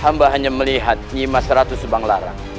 hamba hanya melihat nyima seratus subanglarang